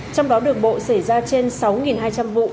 trong đó đường bộ xảy ra trên sáu hai trăm linh vụ